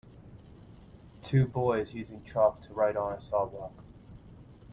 Two boys using chalk to write on a sidewalk.